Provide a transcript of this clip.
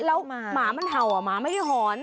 แล้วหมามันเห่าอ่ะหมาไม่ได้หอน